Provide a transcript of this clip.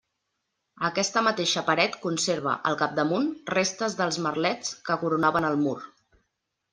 Aquesta mateixa paret conserva, al capdamunt, restes dels merlets que coronaven el mur.